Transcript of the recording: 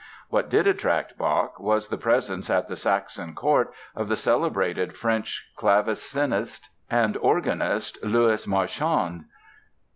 What did attract Bach was the presence at the Saxon court of the celebrated French clavecinist and organist, Louis Marchand.